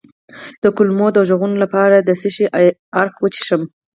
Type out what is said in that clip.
د کولمو د غږونو لپاره د څه شي عرق وڅښم؟